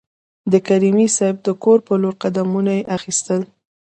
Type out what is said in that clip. د کریمي صیب د کور په لور قدمونه اخیستل.